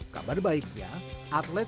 kabar baiknya atlet